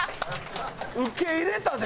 受け入れたで？